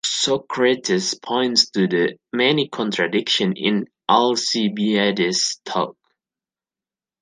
Socrates points to the many contradictions in Alcibiades' thoughts.